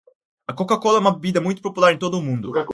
A Coca-Cola é uma bebida muito popular em todo o mundo.